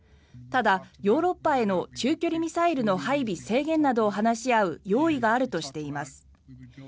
ただ、ヨーロッパへの中距離ミサイルの配備制限などを話し合う用意があるとしています。